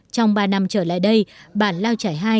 trong ba năm trở lại đây bản lao trải hai